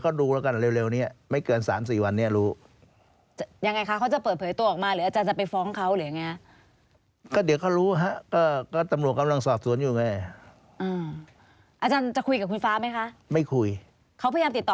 เขาพยายามติดต่ออาจารย์มาใช่ไหมคะ